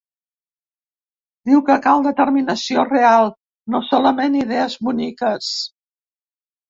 Diu que cal determinació real, no solament idees boniques.